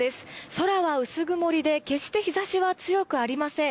空は薄曇りで決して日差しは強くありません。